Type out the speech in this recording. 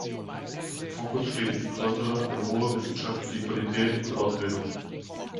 Im Fokus stehen insbesondere eine hohe wissenschaftliche Qualität und Ausbildung.